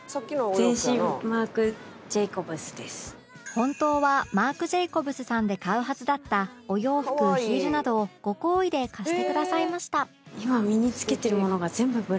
本当は ＭＡＲＣＪＡＣＯＢＳ さんで買うはずだったお洋服ヒールなどをご厚意で貸してくださいました